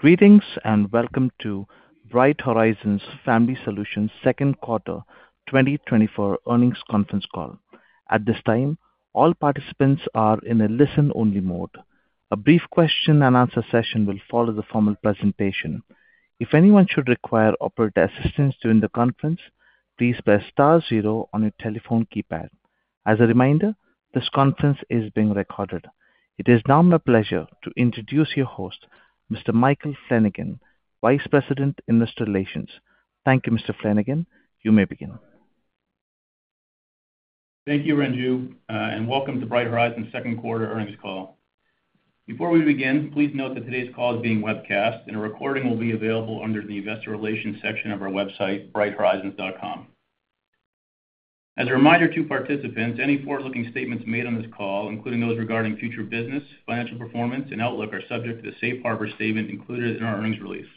Greetings and welcome to Bright Horizons Family Solutions Second Quarter 2024 earnings conference call. At this time, all participants are in a listen-only mode. A brief question-and-answer session will follow the formal presentation. If anyone should require operator assistance during the conference, please press star, zero on your telephone keypad. As a reminder, this conference is being recorded. It is now my pleasure to introduce your host, Mr. Michael Flanagan, Vice President, Investor Relations. Thank you, Mr. Flanagan. You may begin. Thank you, Ranju, and welcome to Bright Horizons' second quarter earnings call. Before we begin, please note that today's call is being webcast, and a recording will be available under the Investor Relations section of our website, brighthorizons.com. As a reminder to participants, any forward-looking statements made on this call, including those regarding future business, financial performance, and outlook, are subject to the Safe Harbor statement included in our earnings release.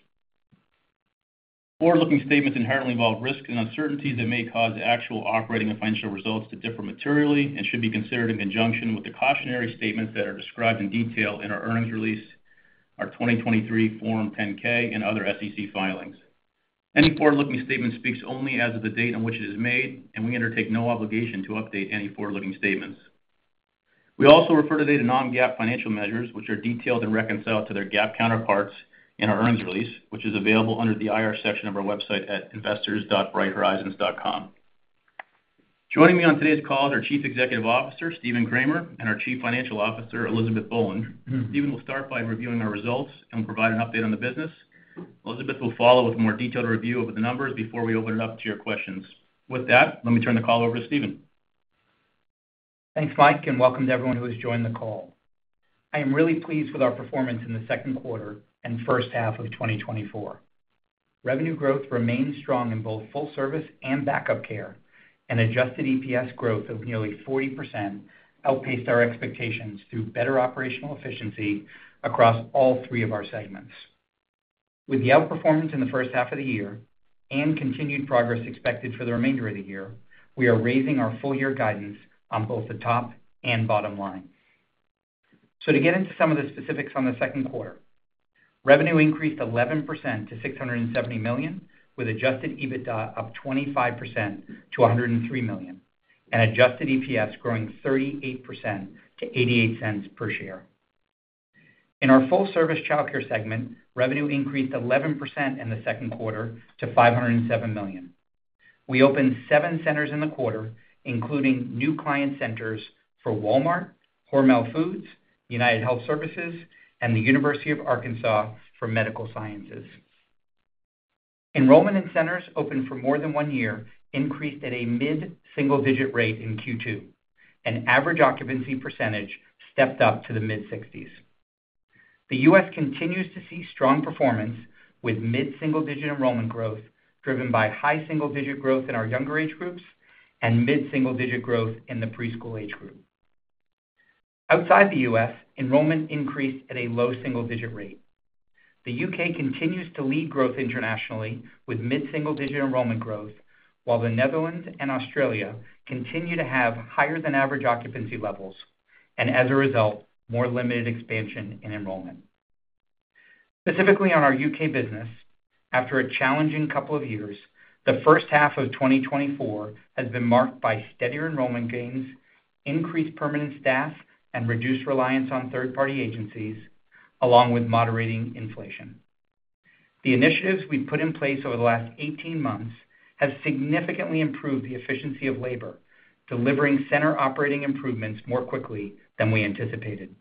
Forward-looking statements inherently involve risks and uncertainties that may cause actual operating and financial results to differ materially and should be considered in conjunction with the cautionary statements that are described in detail in our earnings release, our 2023 Form 10-K, and other SEC filings. Any forward-looking statement speaks only as of the date on which it is made, and we undertake no obligation to update any forward-looking statements. We also refer today to non-GAAP financial measures, which are detailed and reconciled to their GAAP counterparts in our earnings release, which is available under the IR section of our website at investors.brighthorizons.com. Joining me on today's call are Chief Executive Officer Stephen Kramer and our Chief Financial Officer, Elizabeth Boland. Stephen will start by reviewing our results and will provide an update on the business. Elizabeth will follow with a more detailed review of the numbers before we open it up to your questions. With that, let me turn the call over to Stephen. Thanks, Mike, and welcome to everyone who has joined the call. I am really pleased with our performance in the second quarter and first half of 2024. Revenue growth remains strong in both full service and backup care, and Adjusted EPS growth of nearly 40% outpaced our expectations through better operational efficiency across all three of our segments. With the outperformance in the first half of the year and continued progress expected for the remainder of the year, we are raising our full-year guidance on both the top and bottom line. To get into some of the specifics on the second quarter, revenue increased 11% to $670 million, with Adjusted EBITDA up 25% to $103 million, and Adjusted EPS growing 38% to $0.88 per share. In our full service childcare segment, revenue increased 11% in the second quarter to $507 million. We opened seven centers in the quarter, including new client centers for Walmart, Hormel Foods, United Health Services, and the University of Arkansas for Medical Sciences. Enrollment in centers opened for more than one year increased at a mid-single-digit rate in Q2, and average occupancy percentage stepped up to the mid-60s. The U.S. continues to see strong performance, with mid-single-digit enrollment growth driven by high single-digit growth in our younger age groups and mid-single-digit growth in the preschool age group. Outside the U.S., enrollment increased at a low single-digit rate. The U.K. continues to lead growth internationally, with mid-single-digit enrollment growth, while the Netherlands and Australia continue to have higher-than-average occupancy levels, and as a result, more limited expansion in enrollment. Specifically on our U.K. business, after a challenging couple of years, the first half of 2024 has been marked by steadier enrollment gains, increased permanent staff, and reduced reliance on third-party agencies, along with moderating inflation. The initiatives we've put in place over the last 18 months have significantly improved the efficiency of labor, delivering center operating improvements more quickly than we anticipated.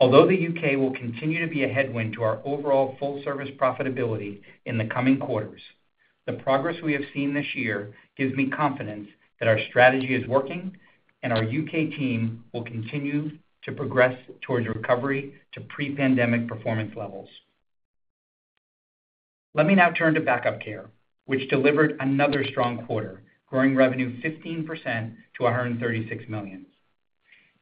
Although the U.K. will continue to be a headwind to our overall full-service profitability in the coming quarters, the progress we have seen this year gives me confidence that our strategy is working, and our U.K. team will continue to progress towards recovery to pre-pandemic performance levels. Let me now turn to backup care, which delivered another strong quarter, growing revenue 15% to $136 million.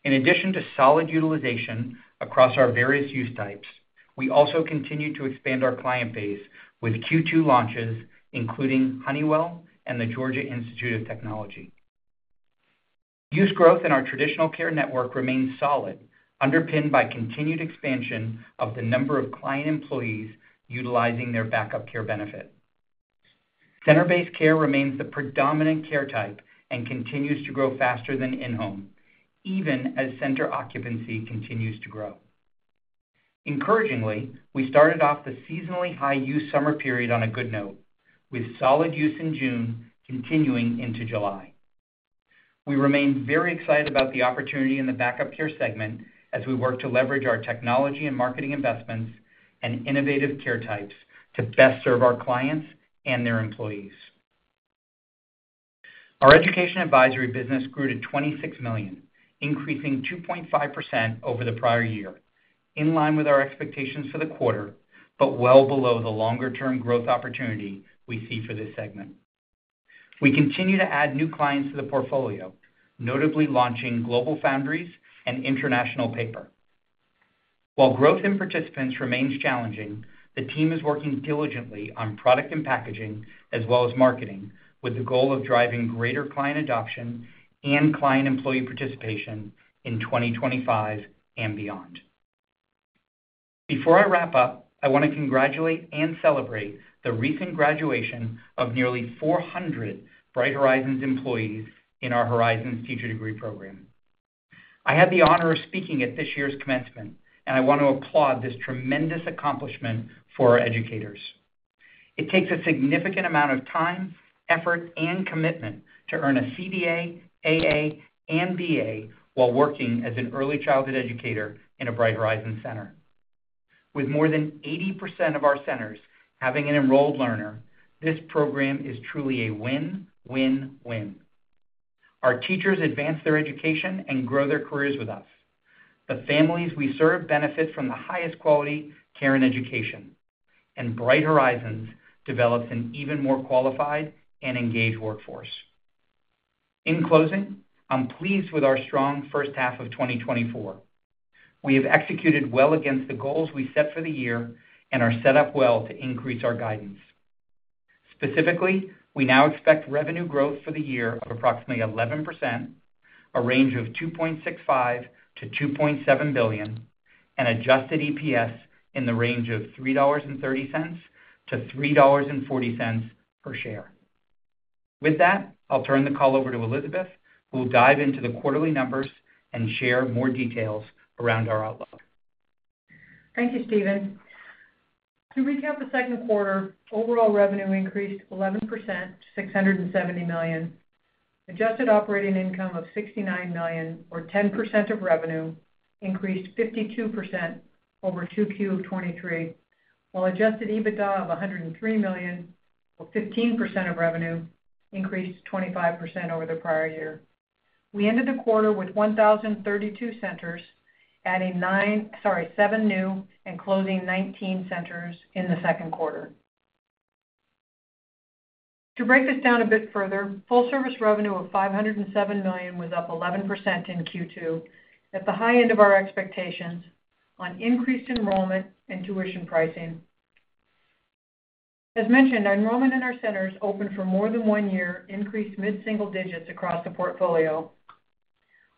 In addition to solid utilization across our various use types, we also continue to expand our client base with Q2 launches, including Honeywell and the Georgia Institute of Technology. Use growth in our traditional care network remains solid, underpinned by continued expansion of the number of client employees utilizing their backup care benefit. Center-based care remains the predominant care type and continues to grow faster than in-home, even as center occupancy continues to grow. Encouragingly, we started off the seasonally high-use summer period on a good note, with solid use in June continuing into July. We remain very excited about the opportunity in the backup care segment as we work to leverage our technology and marketing investments and innovative care types to best serve our clients and their employees. Our education advisory business grew to $26 million, increasing 2.5% over the prior year, in line with our expectations for the quarter, but well below the longer-term growth opportunity we see for this segment. We continue to add new clients to the portfolio, notably launching GlobalFoundries and International Paper. While growth in participants remains challenging, the team is working diligently on product and packaging, as well as marketing, with the goal of driving greater client adoption and client-employee participation in 2025 and beyond. Before I wrap up, I want to congratulate and celebrate the recent graduation of nearly 400 Bright Horizons employees in our Horizons Teacher Degree Program. I had the honor of speaking at this year's commencement, and I want to applaud this tremendous accomplishment for our educators. It takes a significant amount of time, effort, and commitment to earn a CDA, AA, and BA while working as an early childhood educator in a Bright Horizons center. With more than 80% of our centers having an enrolled learner, this program is truly a win, win, win. Our teachers advance their education and grow their careers with us. The families we serve benefit from the highest quality care and education, and Bright Horizons develops an even more qualified and engaged workforce. In closing, I'm pleased with our strong first half of 2024. We have executed well against the goals we set for the year and are set up well to increase our guidance. Specifically, we now expect revenue growth for the year of approximately 11%, a range of $2.65-$2.7 billion, and adjusted EPS in the range of $3.30-$3.40 per share. With that, I'll turn the call over to Elizabeth, who will dive into the quarterly numbers and share more details around our outlook. Thank you, Stephen. To recap the second quarter, overall revenue increased 11% to $670 million. Adjusted operating income of $69 million, or 10% of revenue, increased 52% over Q2 of 2023, while Adjusted EBITDA of $103 million, or 15% of revenue, increased 25% over the prior year. We ended the quarter with 1,032 centers, adding 7 new and closing 19 centers in the second quarter. To break this down a bit further, full-service revenue of $507 million was up 11% in Q2, at the high end of our expectations, on increased enrollment and tuition pricing. As mentioned, enrollment in our centers opened for more than one year increased mid-single digits across the portfolio.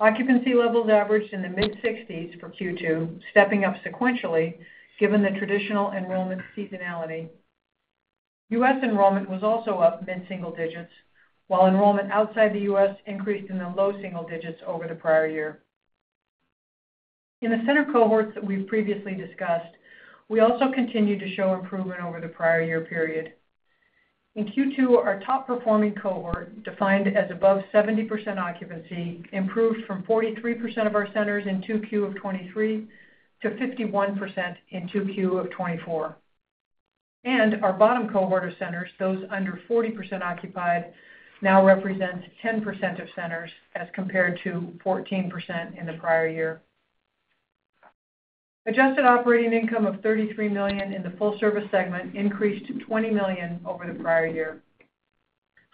Occupancy levels averaged in the mid-60s for Q2, stepping up sequentially given the traditional enrollment seasonality. U.S. enrollment was also up mid-single digits, while enrollment outside the U.S. increased in the low single digits over the prior year. In the center cohorts that we've previously discussed, we also continue to show improvement over the prior year period. In Q2, our top-performing cohort, defined as above 70% occupancy, improved from 43% of our centers in Q2 of 2023 to 51% in Q2 of 2024. And our bottom cohort of centers, those under 40% occupied, now represents 10% of centers as compared to 14% in the prior year. Adjusted operating income of $33 million in the full-service segment increased $20 million over the prior year.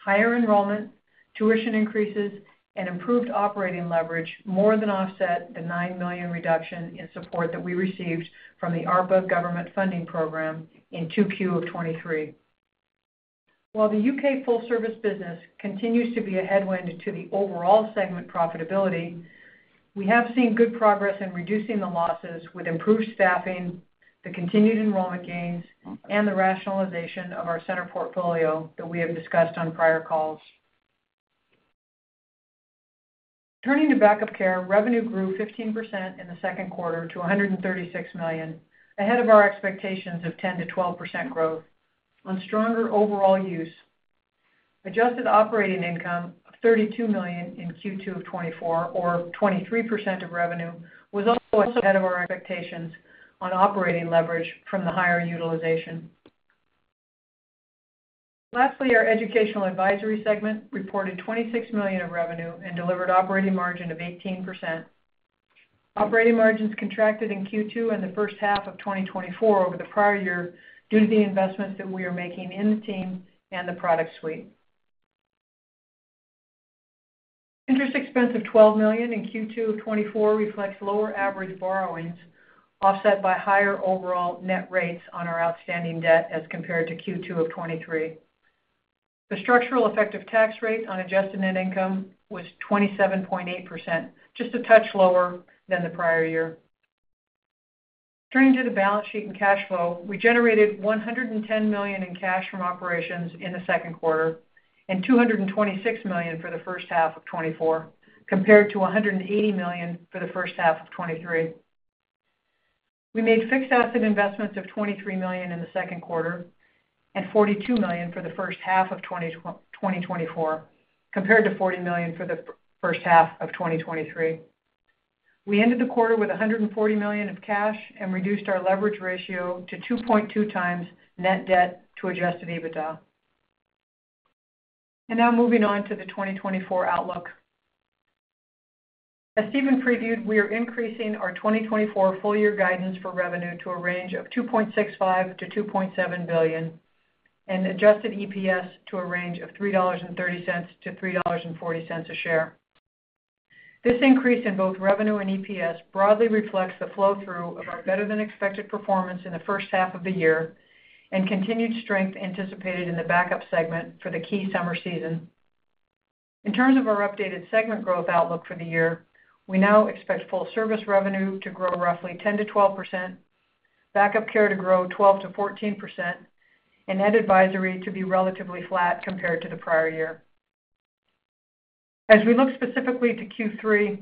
Higher enrollment, tuition increases, and improved operating leverage more than offset the $9 million reduction in support that we received from the ARPA government funding program in Q2 of 2023. While the U.K. Full-service business continues to be a headwind to the overall segment profitability. We have seen good progress in reducing the losses with improved staffing, the continued enrollment gains, and the rationalization of our center portfolio that we have discussed on prior calls. Turning to backup care, revenue grew 15% in the second quarter to $136 million, ahead of our expectations of 10%-12% growth on stronger overall use. Adjusted operating income of $32 million in Q2 of 2024, or 23% of revenue, was also ahead of our expectations on operating leverage from the higher utilization. Lastly, our educational advisory segment reported $26 million of revenue and delivered an operating margin of 18%. Operating margins contracted in Q2 and the first half of 2024 over the prior year due to the investments that we are making in the team and the product suite. Interest expense of $12 million in Q2 of 2024 reflects lower average borrowings, offset by higher overall net rates on our outstanding debt as compared to Q2 of 2023. The structural effective tax rate on adjusted net income was 27.8%, just a touch lower than the prior year. Turning to the balance sheet and cash flow, we generated $110 million in cash from operations in the second quarter and $226 million for the first half of 2024, compared to $180 million for the first half of 2023. We made fixed asset investments of $23 million in the second quarter and $42 million for the first half of 2024, compared to $40 million for the first half of 2023. We ended the quarter with $140 million of cash and reduced our leverage ratio to 2.2 times net debt to adjusted EBITDA. And now moving on to the 2024 outlook. As Stephen previewed, we are increasing our 2024 full-year guidance for revenue to a range of $2.65-$2.7 billion and adjusted EPS to a range of $3.30-$3.40 a share. This increase in both revenue and EPS broadly reflects the flow-through of our better-than-expected performance in the first half of the year and continued strength anticipated in the backup segment for the key summer season. In terms of our updated segment growth outlook for the year, we now expect full-service revenue to grow roughly 10%-12%, backup care to grow 12%-14%, and net advisory to be relatively flat compared to the prior year. As we look specifically to Q3,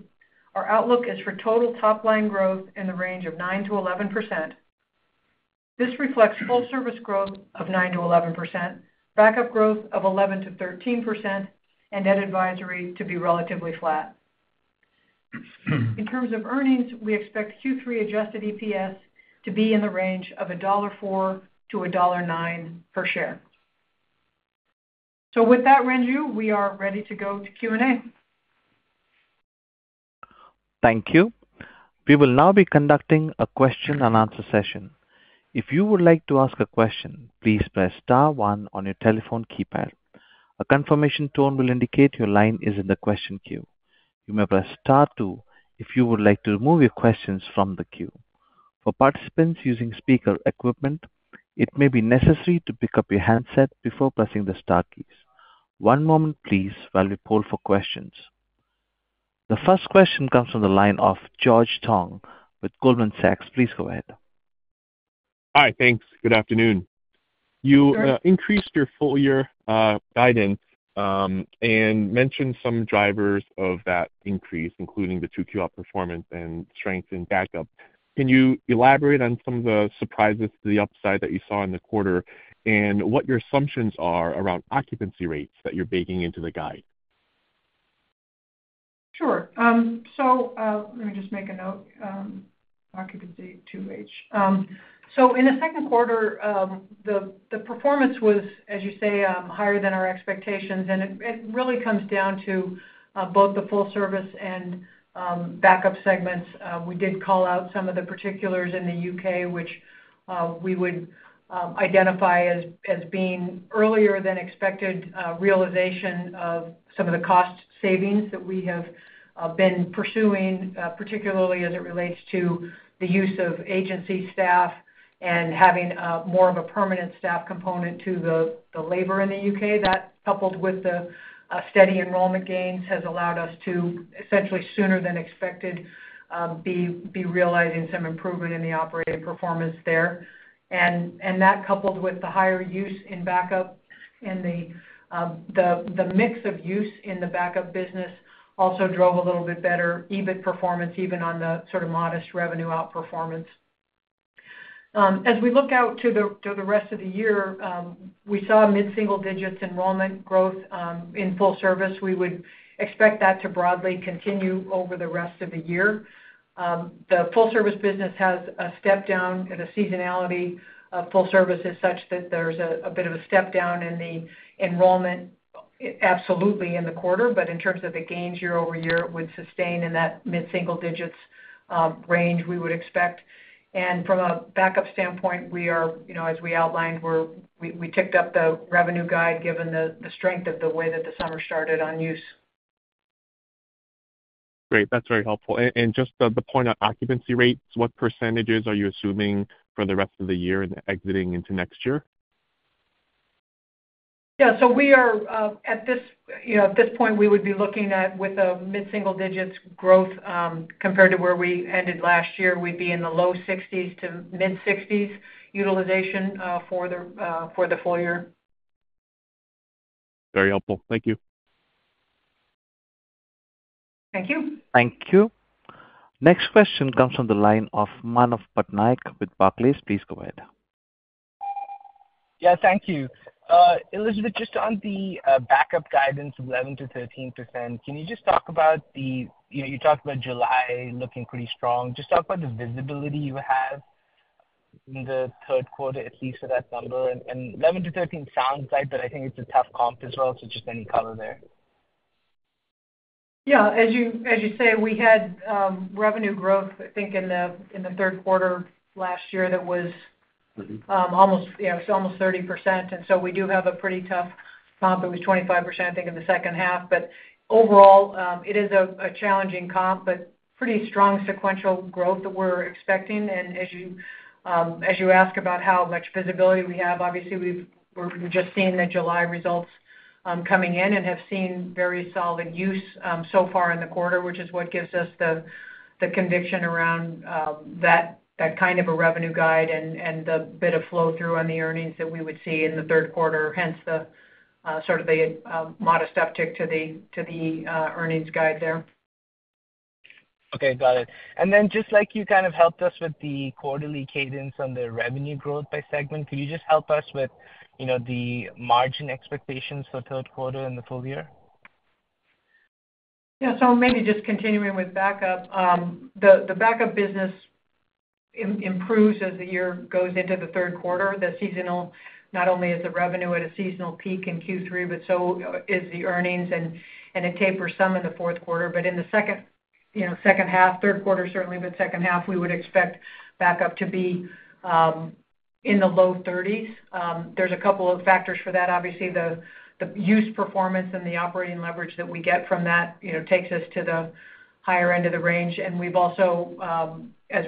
our outlook is for total top-line growth in the range of 9%-11%. This reflects full-service growth of 9%-11%, backup growth of 11%-13%, and net advisory to be relatively flat. In terms of earnings, we expect Q3 Adjusted EPS to be in the range of $1.04-$1.09 per share. So with that, Ranju, we are ready to go to Q&A. Thank you. We will now be conducting a question-and-answer session. If you would like to ask a question, please press Star 1 on your telephone keypad. A confirmation tone will indicate your line is in the question queue. You may press Star 2 if you would like to remove your questions from the queue. For participants using speaker equipment, it may be necessary to pick up your handset before pressing the Star keys. One moment, please, while we poll for questions. The first question comes from the line of George Tong with Goldman Sachs. Please go ahead. Hi, thanks. Good afternoon. You increased your full-year guidance and mentioned some drivers of that increase, including the two-quarter performance and strength in backup. Can you elaborate on some of the surprises to the upside that you saw in the quarter and what your assumptions are around occupancy rates that you're baking into the guide? Sure. So let me just make a note, occupancy by age. So in the second quarter, the performance was, as you say, higher than our expectations. And it really comes down to both the full-service and backup segments. We did call out some of the particulars in the U.K., which we would identify as being earlier than expected realization of some of the cost savings that we have been pursuing, particularly as it relates to the use of agency staff and having more of a permanent staff component to the labor in the U.K. That coupled with the steady enrollment gains has allowed us to, essentially sooner than expected, be realizing some improvement in the operating performance there. That coupled with the higher use in backup and the mix of use in the backup business also drove a little bit better EBIT performance, even on the sort of modest revenue outperformance. As we look out to the rest of the year, we saw mid-single digits enrollment growth in full-service. We would expect that to broadly continue over the rest of the year. The full-service business has a step down in the seasonality of full-service such that there's a bit of a step down in the enrollment, absolutely in the quarter, but in terms of the gains year-over-year, it would sustain in that mid-single digits range we would expect. From a backup standpoint, as we outlined, we ticked up the revenue guide given the strength of the way that the summer started on use. Great. That's very helpful. And just the point on occupancy rates, what percentages are you assuming for the rest of the year and exiting into next year? Yeah. So at this point, we would be looking at, with mid-single-digit growth compared to where we ended last year, we'd be in the low 60s to mid-60s utilization for the full year. Very helpful. Thank you. Thank you. Thank you. Next question comes from the line of Manav Patnaik with Barclays. Please go ahead. Yeah. Thank you. Elizabeth, just on the Backup Care guidance of 11%-13%, can you just talk about the—you talked about July looking pretty strong. Just talk about the visibility you have in the third quarter, at least for that number. And 11%-13% sounds right, but I think it's a tough comp as well. So just any color there. Yeah. As you say, we had revenue growth, I think, in the third quarter last year that was almost 30%. And so we do have a pretty tough comp. It was 25%, I think, in the second half. But overall, it is a challenging comp, but pretty strong sequential growth that we're expecting. And as you ask about how much visibility we have, obviously, we've just seen the July results coming in and have seen very solid use so far in the quarter, which is what gives us the conviction around that kind of a revenue guide and the bit of flow-through on the earnings that we would see in the third quarter, hence sort of the modest uptick to the earnings guide there. Okay. Got it. And then just like you kind of helped us with the quarterly cadence on the revenue growth by segment, could you just help us with the margin expectations for third quarter and the full year? Yeah. So maybe just continuing with backup, the backup business improves as the year goes into the third quarter. The seasonal not only is the revenue at a seasonal peak in Q3, but so is the earnings, and it tapers some in the fourth quarter. But in the second half, third quarter certainly, but second half, we would expect backup to be in the low 30s. There's a couple of factors for that. Obviously, the use performance and the operating leverage that we get from that takes us to the higher end of the range. And we've also, as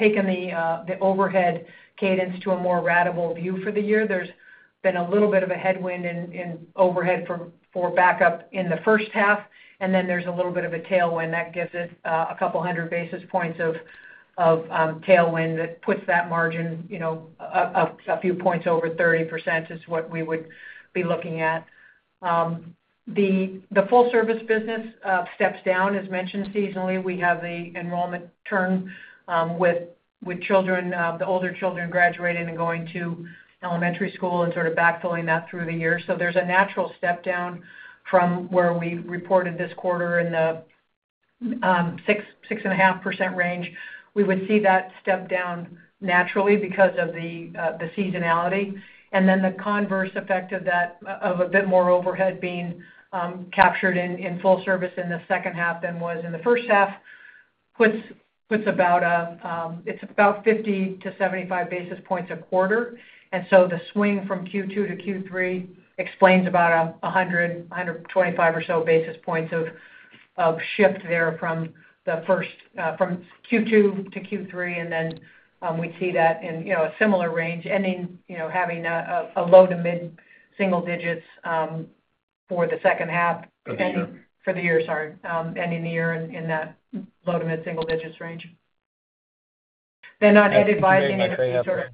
we've taken the overhead cadence to a more ratable view for the year, there's been a little bit of a headwind in overhead for backup in the first half. Then there's a little bit of a tailwind that gives it 200 basis points of tailwind that puts that margin a few points over 30% is what we would be looking at. The full-service business steps down, as mentioned, seasonally. We have the enrollment turn with children, the older children graduating and going to elementary school and sort of backfilling that through the year. So there's a natural step down from where we reported this quarter in the 6%-6.5% range. We would see that step down naturally because of the seasonality. And then the converse effect of that, of a bit more overhead being captured in full-service in the second half than was in the first half, puts about a, it's about 50 to 75 basis points a quarter. And so the swing from Q2 to Q3 explains about 100%, 125% or so basis points of shift there from Q2 to Q3. And then we'd see that in a similar range, having a low to mid-single digits for the second half ending for the year, sorry, ending the year in that low to mid-single digits range. Then on net advising and sort of.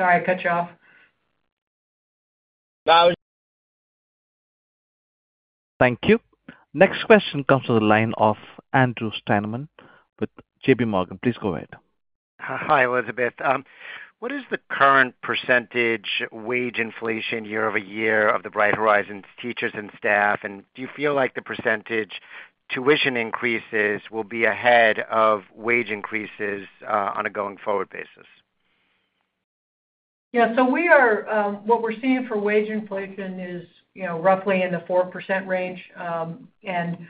Sorry, I cut you off. Thank you. Next question comes from the line of Andrew Steinerman with JPMorgan. Please go ahead. Hi, Elizabeth. What is the current percentage wage inflation year-over-year of the Bright Horizons teachers and staff? And do you feel like the percentage tuition increases will be ahead of wage increases on a going forward basis? Yeah. So what we're seeing for wage inflation is roughly in the 4% range. And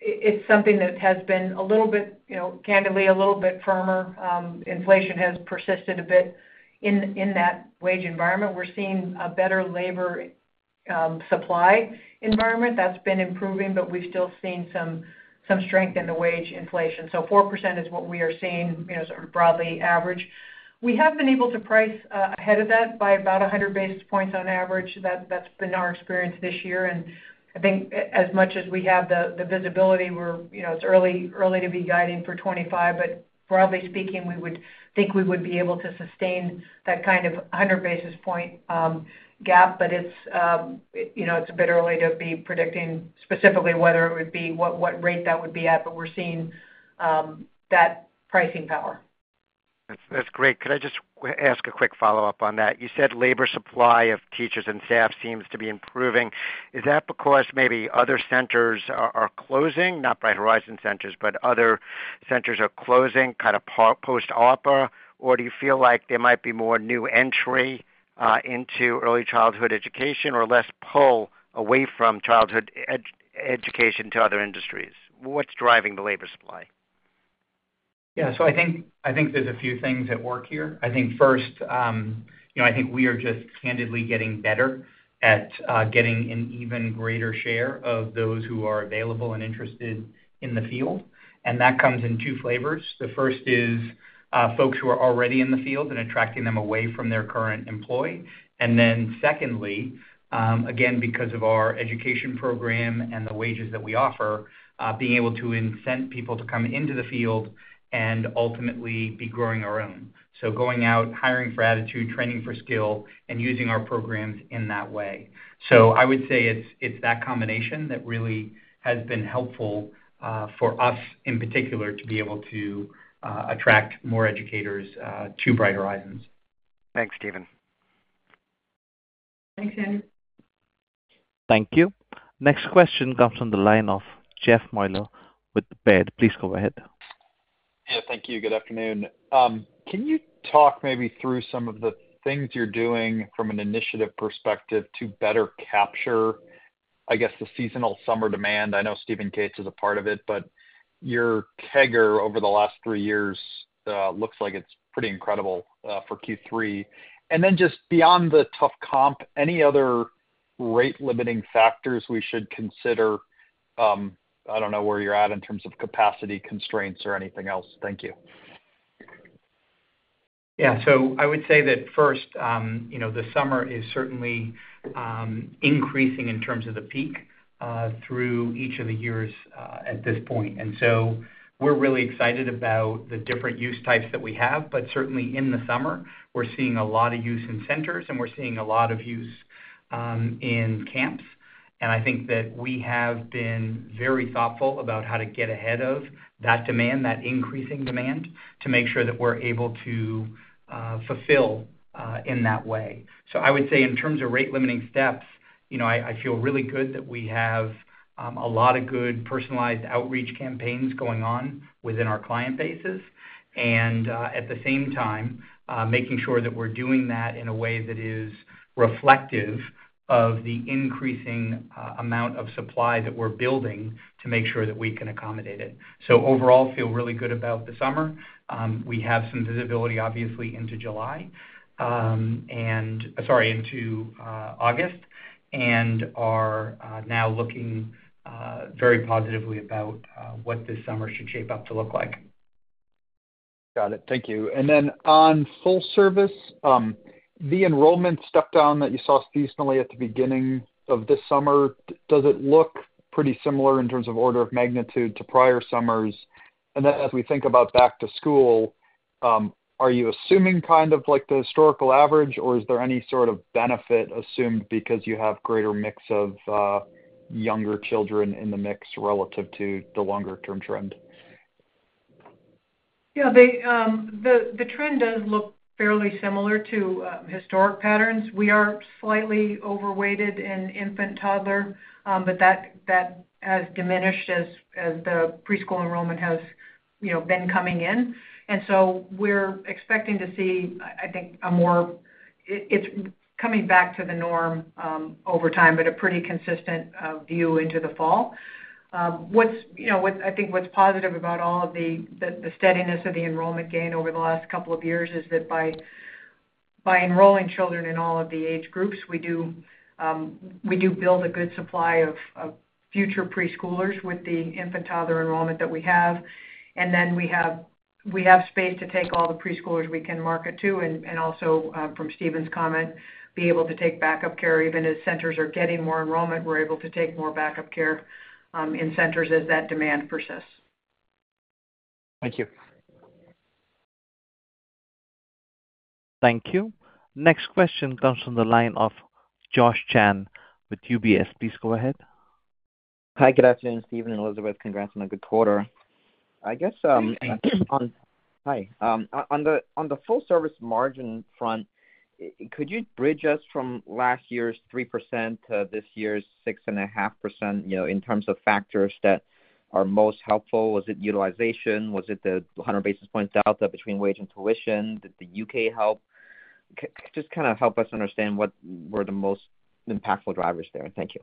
it's something that has been a little bit, candidly, a little bit firmer. Inflation has persisted a bit in that wage environment. We're seeing a better labor supply environment. That's been improving, but we've still seen some strength in the wage inflation. So 4% is what we are seeing sort of broadly average. We have been able to price ahead of that by about 100 basis points on average. That's been our experience this year. And I think as much as we have the visibility, it's early to be guiding for 2025. But broadly speaking, we would think we would be able to sustain that kind of 100 basis point gap. But it's a bit early to be predicting specifically whether it would be what rate that would be at, but we're seeing that pricing power. That's great. Could I just ask a quick follow-up on that? You said labor supply of teachers and staff seems to be improving. Is that because maybe other centers are closing, not Bright Horizons centers, but other centers are closing kind of post-ARPA? Or do you feel like there might be more new entry into early childhood education or less pull away from childhood education to other industries? What's driving the labor supply? Yeah. So I think there's a few things at work here. I think first, I think we are just candidly getting better at getting an even greater share of those who are available and interested in the field. And that comes in two flavors. The first is folks who are already in the field and attracting them away from their current employee. And then secondly, again, because of our education program and the wages that we offer, being able to incent people to come into the field and ultimately be growing our own. So going out, hiring for attitude, training for skill, and using our programs in that way. So I would say it's that combination that really has been helpful for us in particular to be able to attract more educators to Bright Horizons. Thanks, Stephen. Thanks, Andrew. Thank you. Next question comes from the line of Jeff Meuler with the Baird. Please go ahead. Yeah. Thank you. Good afternoon. Can you talk maybe through some of the things you're doing from an initiative perspective to better capture, I guess, the seasonal summer demand? I know Steve & Kate's is a part of it, but your kicker over the last three years looks like it's pretty incredible for Q3. And then just beyond the tough comp, any other rate-limiting factors we should consider? I don't know where you're at in terms of capacity constraints or anything else. Thank you. Yeah. So I would say that first, the summer is certainly increasing in terms of the peak through each of the years at this point. And so we're really excited about the different use types that we have. But certainly in the summer, we're seeing a lot of use in centers, and we're seeing a lot of use in camps. And I think that we have been very thoughtful about how to get ahead of that demand, that increasing demand, to make sure that we're able to fulfill in that way. So I would say in terms of rate-limiting steps, I feel really good that we have a lot of good personalized outreach campaigns going on within our client bases. At the same time, making sure that we're doing that in a way that is reflective of the increasing amount of supply that we're building to make sure that we can accommodate it. So overall, feel really good about the summer. We have some visibility, obviously, into July, and sorry, into August, and are now looking very positively about what this summer should shape up to look like. Got it. Thank you. And then on full-service, the enrollment step down that you saw seasonally at the beginning of this summer, does it look pretty similar in terms of order of magnitude to prior summers? And then as we think about back to school, are you assuming kind of like the historical average, or is there any sort of benefit assumed because you have greater mix of younger children in the mix relative to the longer-term trend? Yeah. The trend does look fairly similar to historic patterns. We are slightly overweighted in infant/toddler, but that has diminished as the preschool enrollment has been coming in. And so we're expecting to see, I think, a more, it's coming back to the norm over time, but a pretty consistent view into the fall. I think what's positive about all of the steadiness of the enrollment gain over the last couple of years is that by enrolling children in all of the age groups, we do build a good supply of future preschoolers with the infant/toddler enrollment that we have. And then we have space to take all the preschoolers we can market to. And also, from Stephen's comment, be able to take backup care even as centers are getting more enrollment. We're able to take more backup care in centers as that demand persists. Thank you. Thank you. Next question comes from the line of Josh Chan with UBS. Please go ahead. Hi. Good afternoon, Stephen and Elizabeth. Congrats on a good quarter. I guess on the full-service margin front, could you bridge us from last year's 3% to this year's 6.5% in terms of factors that are most helpful? Was it utilization? Was it the 100 basis points delta between wage and tuition? Did the UK help? Just kind of help us understand what were the most impactful drivers there. Thank you.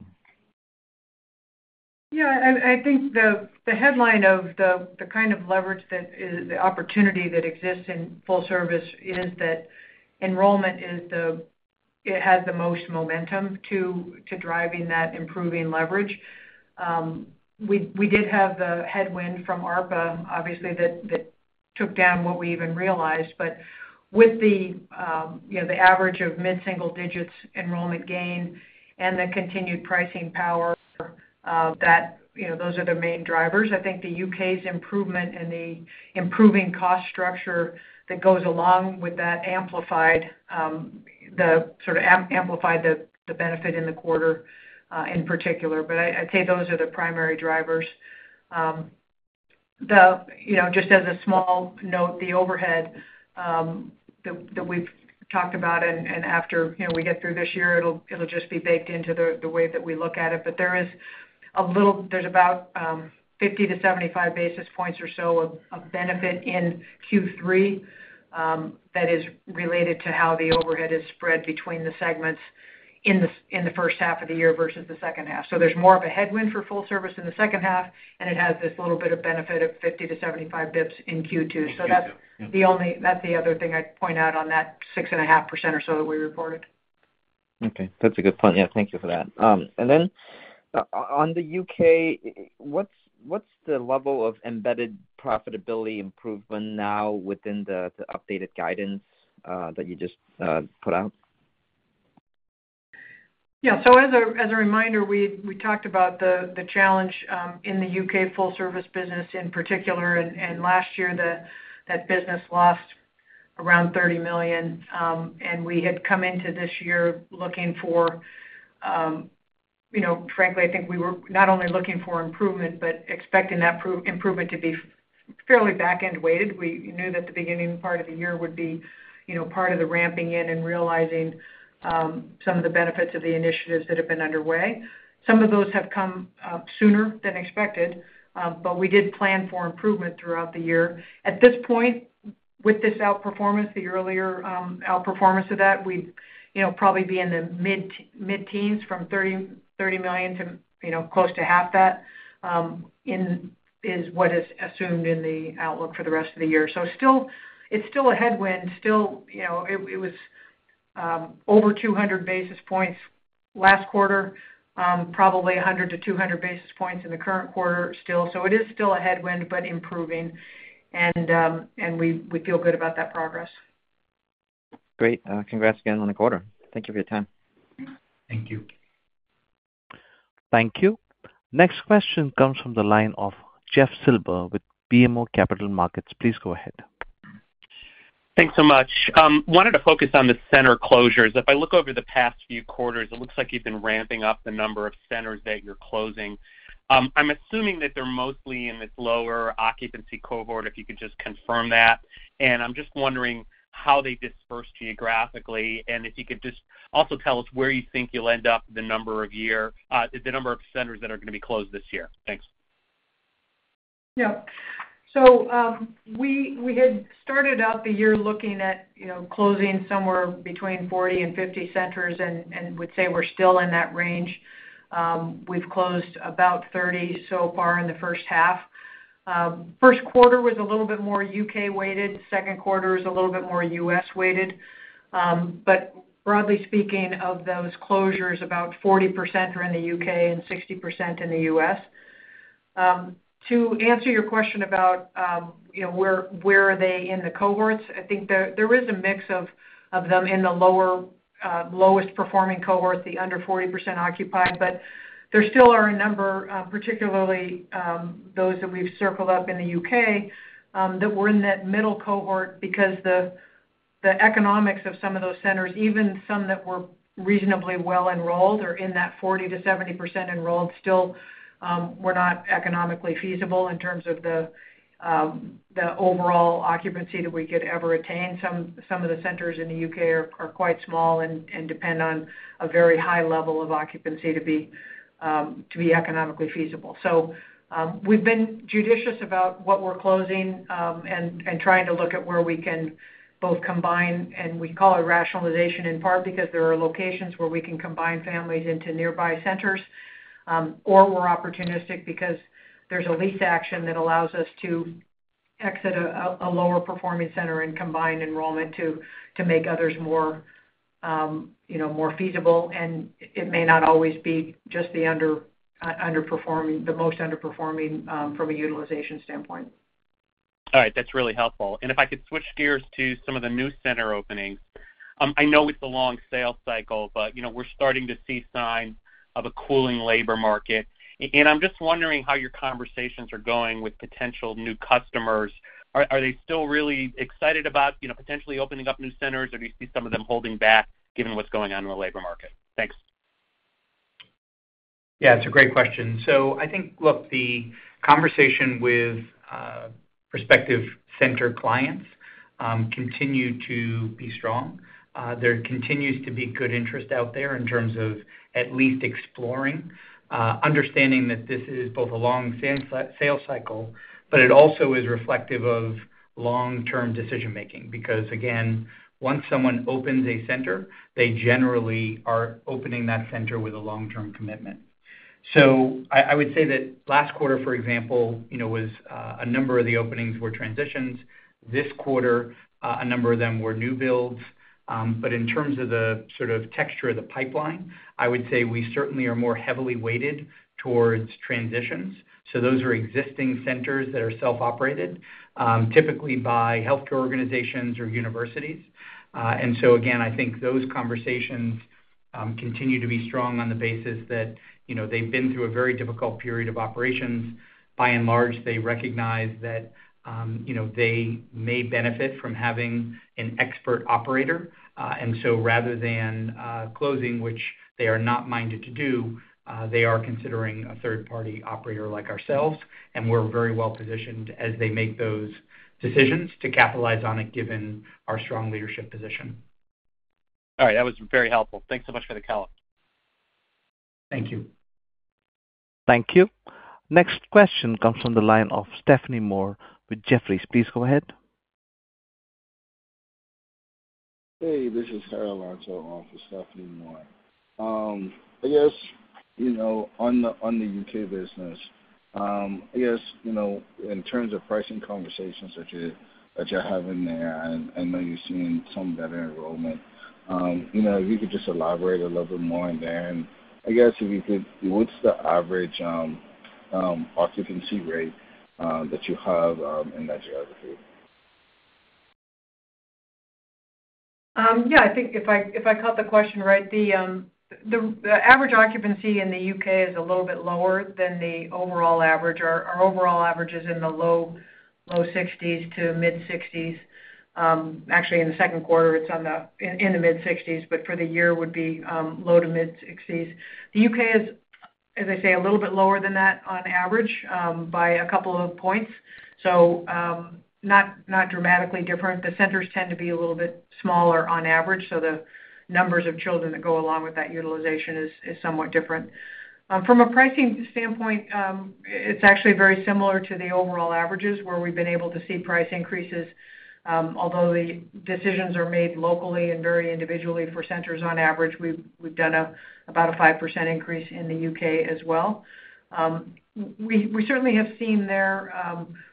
Yeah. I think the headline of the kind of leverage that the opportunity that exists in full-service is that enrollment is the—it has the most momentum to driving that improving leverage. We did have the headwind from ARPA, obviously, that took down what we even realized. But with the average of mid-single digits enrollment gain and the continued pricing power, those are the main drivers. I think the UK's improvement and the improving cost structure that goes along with that amplified the sort of amplified the benefit in the quarter in particular. But I'd say those are the primary drivers. Just as a small note, the overhead that we've talked about, and after we get through this year, it'll just be baked into the way that we look at it. But there is a little, there's about 50-75 basis points or so of benefit in Q3 that is related to how the overhead is spread between the segments in the first half of the year versus the second half. So there's more of a headwind for full-service in the second half, and it has this little bit of benefit of 50-75 bips in Q2. So that's the other thing I'd point out on that 6.5% or so that we reported. Okay. That's a good point. Yeah. Thank you for that. And then on the U.K., what's the level of embedded profitability improvement now within the updated guidance that you just put out? Yeah. So as a reminder, we talked about the challenge in the U.K. full-service business in particular. And last year, that business lost around $30 million. And we had come into this year looking for, frankly, I think we were not only looking for improvement, but expecting that improvement to be fairly back-end weighted. We knew that the beginning part of the year would be part of the ramping in and realizing some of the benefits of the initiatives that have been underway. Some of those have come sooner than expected, but we did plan for improvement throughout the year. At this point, with this outperformance, the earlier outperformance of that, we'd probably be in the mid-teens from $30 million to close to half that is what is assumed in the outlook for the rest of the year. So it's still a headwind. Still, it was over 200 basis points last quarter, probably 100-200 basis points in the current quarter still. So it is still a headwind, but improving. We feel good about that progress. Great. Congrats again on the quarter. Thank you for your time. Thank you. Thank you. Next question comes from the line of Jeff Silber with BMO Capital Markets. Please go ahead. Thanks so much. Wanted to focus on the center closures. If I look over the past few quarters, it looks like you've been ramping up the number of centers that you're closing. I'm assuming that they're mostly in this lower occupancy cohort, if you could just confirm that. I'm just wondering how they disperse geographically. If you could just also tell us where you think you'll end up, the number of centers that are going to be closed this year. Thanks. Yeah. So we had started out the year looking at closing somewhere between 40-50 centers and would say we're still in that range. We've closed about 30 so far in the first half. First quarter was a little bit more UK-weighted. Second quarter is a little bit more US-weighted. But broadly speaking, of those closures, about 40% are in the UK and 60% in the US. To answer your question about where are they in the cohorts, I think there is a mix of them in the lowest-performing cohort, the under 40% occupied. But there still are a number, particularly those that we've circled up in the U.K., that were in that middle cohort because the economics of some of those centers, even some that were reasonably well-enrolled or in that 40%-70% enrolled, still were not economically feasible in terms of the overall occupancy that we could ever attain. Some of the centers in the U.K. are quite small and depend on a very high level of occupancy to be economically feasible. So we've been judicious about what we're closing and trying to look at where we can both combine, and we call it rationalization in part because there are locations where we can combine families into nearby centers, or we're opportunistic because there's a lease action that allows us to exit a lower-performing center and combine enrollment to make others more feasible. It may not always be just the underperforming, the most underperforming from a utilization standpoint. All right. That's really helpful. If I could switch gears to some of the new center openings. I know it's a long sales cycle, but we're starting to see signs of a cooling labor market. I'm just wondering how your conversations are going with potential new customers. Are they still really excited about potentially opening up new centers, or do you see some of them holding back given what's going on in the labor market? Thanks. Yeah. It's a great question. So I think, look, the conversation with prospective center clients continues to be strong. There continues to be good interest out there in terms of at least exploring, understanding that this is both a long sales cycle, but it also is reflective of long-term decision-making. Because again, once someone opens a center, they generally are opening that center with a long-term commitment. So I would say that last quarter, for example, was a number of the openings were transitions. This quarter, a number of them were new builds. But in terms of the sort of texture of the pipeline, I would say we certainly are more heavily weighted towards transitions. So those are existing centers that are self-operated, typically by healthcare organizations or universities. And so again, I think those conversations continue to be strong on the basis that they've been through a very difficult period of operations. By and large, they recognize that they may benefit from having an expert operator. And so rather than closing, which they are not minded to do, they are considering a third-party operator like ourselves. And we're very well positioned as they make those decisions to capitalize on it given our strong leadership position. All right. That was very helpful. Thanks so much for the call. Thank you. Thank you. Next question comes from the line of Stephanie Moore with Jefferies. Please go ahead. Hey. This is Harold Antor for Stephanie Moore. I guess on the UK business, I guess in terms of pricing conversations that you're having there, I know you've seen some better enrollment. If you could just elaborate a little bit more on there. And I guess if you could, what's the average occupancy rate that you have in that geography? Yeah. I think if I caught the question right, the average occupancy in the UK is a little bit lower than the overall average. Our overall average is in the low 60s to mid-60s. Actually, in the second quarter, it's in the mid-60s, but for the year would be low to mid-60s. The UK is, as I say, a little bit lower than that on average by a couple of points. So not dramatically different. The centers tend to be a little bit smaller on average. So the numbers of children that go along with that utilization is somewhat different. From a pricing standpoint, it's actually very similar to the overall averages where we've been able to see price increases. Although the decisions are made locally and very individually for centers on average, we've done about a 5% increase in the UK as well. We certainly have seen there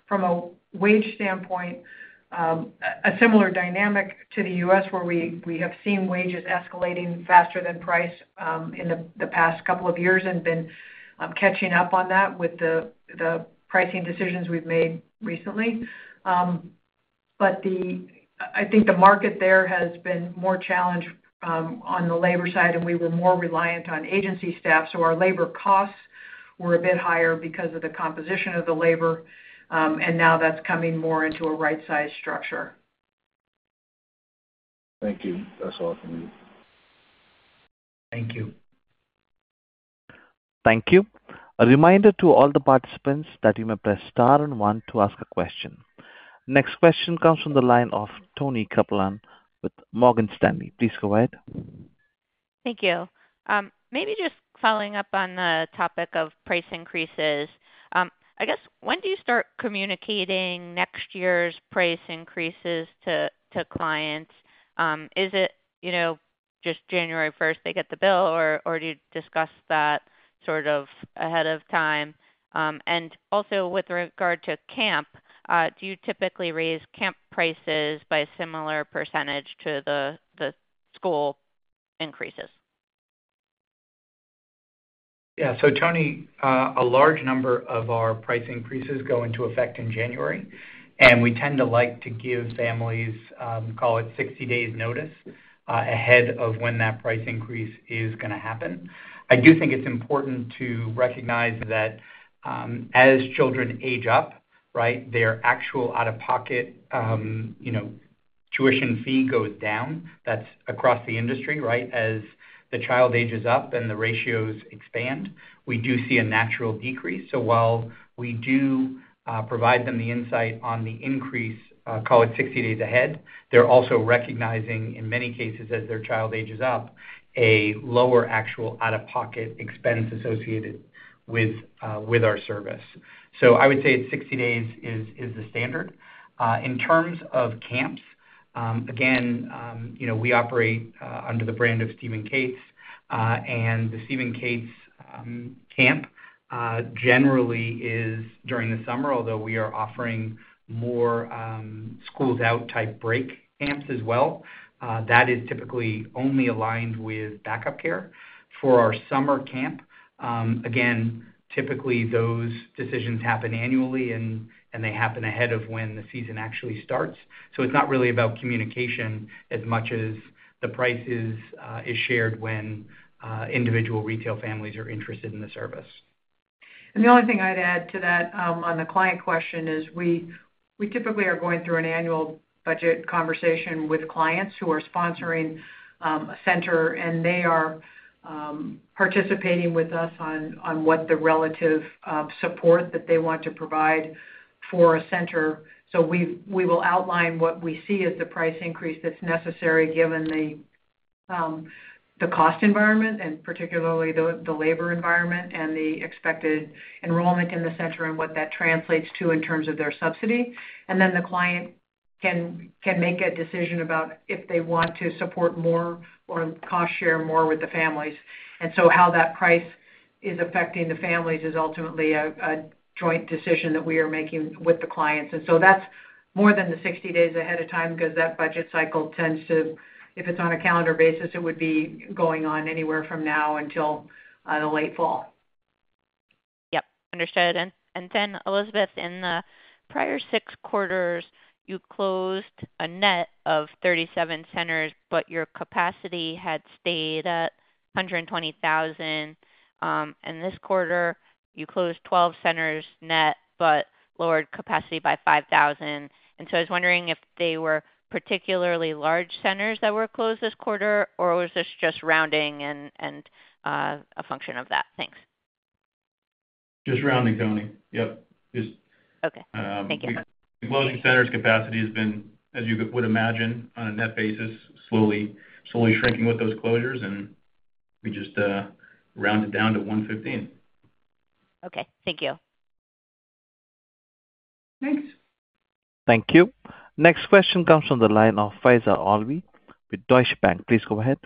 from a wage standpoint a similar dynamic to the U.S. where we have seen wages escalating faster than price in the past couple of years and been catching up on that with the pricing decisions we've made recently. But I think the market there has been more challenged on the labor side, and we were more reliant on agency staff. So our labor costs were a bit higher because of the composition of the labor. And now that's coming more into a right-sized structure. Thank you. That's all from me. Thank you. Thank you. A reminder to all the participants that you may press star and one to ask a question. Next question comes from the line of Toni Kaplan with Morgan Stanley. Please go ahead. Thank you. Maybe just following up on the topic of price increases. I guess when do you start communicating next year's price increases to clients? Is it just January 1st they get the bill, or do you discuss that sort of ahead of time? And also with regard to camp, do you typically raise camp prices by a similar percentage to the school increases? Yeah. So Toni, a large number of our price increases go into effect in January. And we tend to like to give families, call it 60 days notice ahead of when that price increase is going to happen. I do think it's important to recognize that as children age up, right, their actual out-of-pocket tuition fee goes down. That's across the industry, right? As the child ages up and the ratios expand, we do see a natural decrease. So while we do provide them the insight on the increase, call it 60 days ahead, they're also recognizing in many cases as their child ages up, a lower actual out-of-pocket expense associated with our service. So I would say 60 days is the standard. In terms of camps, again, we operate under the brand of Steve & Kate's. The Steve & Kate's camp generally is during the summer, although we are offering more schools-out type break camps as well. That is typically only aligned with backup care for our summer camp. Again, typically those decisions happen annually, and they happen ahead of when the season actually starts. So it's not really about communication as much as the prices are shared when individual retail families are interested in the service. And the only thing I'd add to that on the client question is we typically are going through an annual budget conversation with clients who are sponsoring a center, and they are participating with us on what the relative support that they want to provide for a center. So we will outline what we see as the price increase that's necessary given the cost environment and particularly the labor environment and the expected enrollment in the center and what that translates to in terms of their subsidy. And then the client can make a decision about if they want to support more or cost share more with the families. And so how that price is affecting the families is ultimately a joint decision that we are making with the clients. So that's more than the 60 days ahead of time because that budget cycle tends to, if it's on a calendar basis, it would be going on anywhere from now until the late fall. Yep. Understood. And then Elizabeth, in the prior six quarters, you closed a net of 37 centers, but your capacity had stayed at 120,000. And this quarter, you closed 12 centers net, but lowered capacity by 5,000. And so I was wondering if they were particularly large centers that were closed this quarter, or was this just rounding and a function of that? Thanks. Just rounding, Toni. Yep. Okay. Thank you. The closing centers capacity has been, as you would imagine, on a net basis, slowly shrinking with those closures. We just rounded down to 115. Okay. Thank you. Thanks. Thank you. Next question comes from the line of Faiza Alvi with Deutsche Bank. Please go ahead.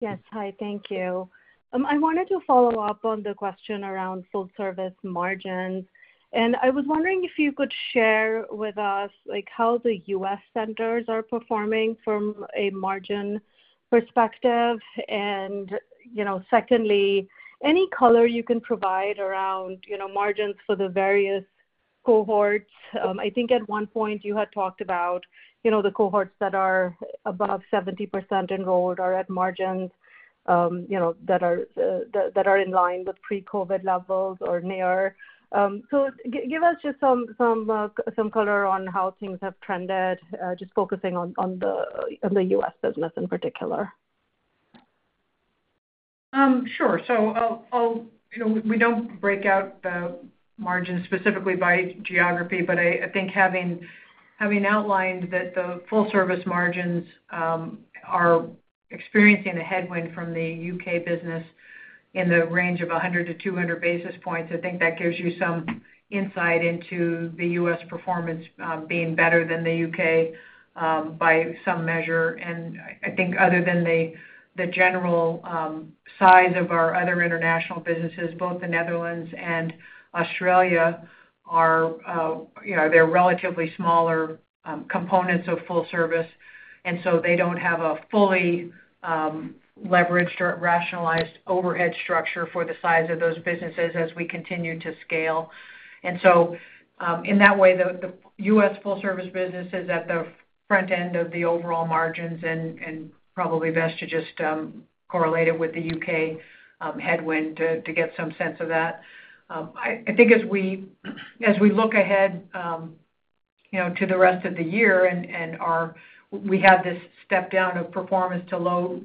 Yes. Hi. Thank you. I wanted to follow up on the question around full-service margins. And I was wondering if you could share with us how the U.S. centers are performing from a margin perspective. And secondly, any color you can provide around margins for the various cohorts. I think at one point you had talked about the cohorts that are above 70% enrolled or at margins that are in line with pre-COVID levels or near. So give us just some color on how things have trended, just focusing on the U.S. business in particular. Sure. So we don't break out the margins specifically by geography, but I think having outlined that the full-service margins are experiencing a headwind from the U.K. business in the range of 100-200 basis points, I think that gives you some insight into the U.S. performance being better than the U.K. by some measure. And I think other than the general size of our other international businesses, both the Netherlands and Australia are relatively smaller components of full-service. And so they don't have a fully leveraged or rationalized overhead structure for the size of those businesses as we continue to scale. And so in that way, the U.S. full-service business is at the front end of the overall margins, and probably best to just correlate it with the U.K. headwind to get some sense of that. I think as we look ahead to the rest of the year and we have this step down of performance to low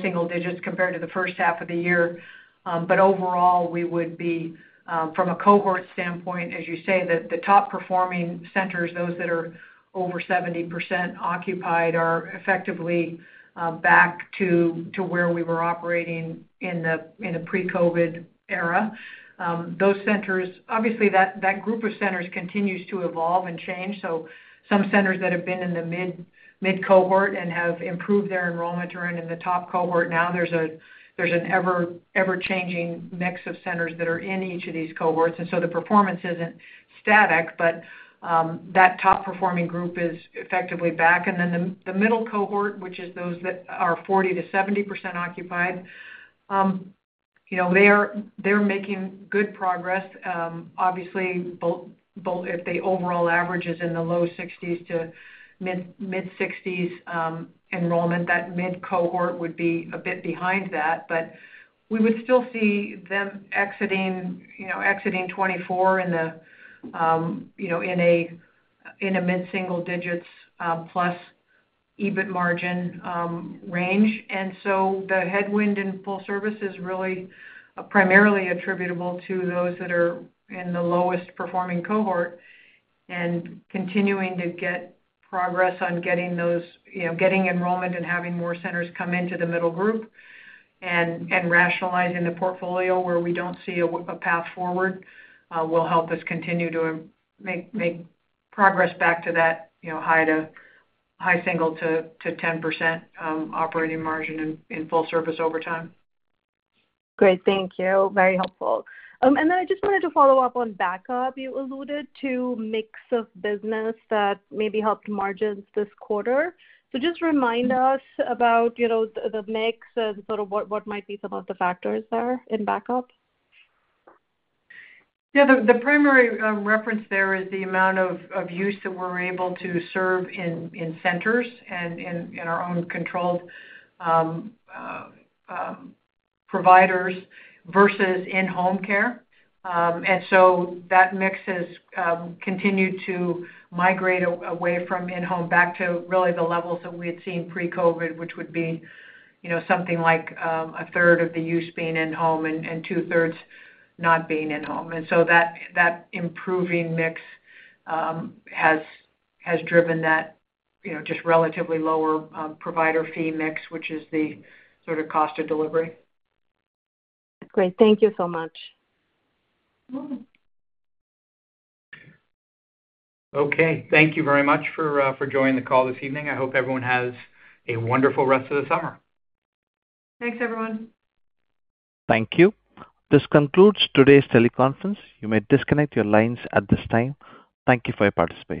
single digits compared to the first half of the year, but overall, we would be from a cohort standpoint, as you say, that the top-performing centers, those that are over 70% occupied, are effectively back to where we were operating in the pre-COVID era. Obviously, that group of centers continues to evolve and change. So some centers that have been in the mid-cohort and have improved their enrollment are in the top cohort. Now there's an ever-changing mix of centers that are in each of these cohorts. And so the performance isn't static, but that top-performing group is effectively back. And then the middle cohort, which is those that are 40%-70% occupied, they're making good progress. Obviously, if the overall average is in the low 60s to mid-60s enrollment, that mid-cohort would be a bit behind that. But we would still see them exiting 2024 in a mid-single digits+ EBIT margin range. And so the headwind in full-service is really primarily attributable to those that are in the lowest-performing cohort and continuing to get progress on getting enrollment and having more centers come into the middle group. And rationalizing the portfolio where we don't see a path forward will help us continue to make progress back to that high single to 10% operating margin in full-service over time. Great. Thank you. Very helpful. Then I just wanted to follow up on backup. You alluded to mix of business that maybe helped margins this quarter. Just remind us about the mix and sort of what might be some of the factors there in backup. Yeah. The primary reference there is the amount of use that we're able to serve in centers and in our own controlled providers versus in-home care. And so that mix has continued to migrate away from in-home back to really the levels that we had seen pre-COVID, which would be something like a third of the use being in-home and two-thirds not being in-home. And so that improving mix has driven that just relatively lower provider fee mix, which is the sort of cost of delivery. Great. Thank you so much. You're welcome. Okay. Thank you very much for joining the call this evening. I hope everyone has a wonderful rest of the summer. Thanks, everyone. Thank you. This concludes today's teleconference. You may disconnect your lines at this time. Thank you for your participation.